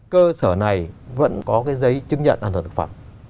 cơ sở này vẫn có cái giấy chứng nhận an toàn thực phẩm